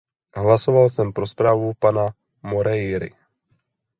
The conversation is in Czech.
Hlasoval jsem pro zprávu pana Moreiry.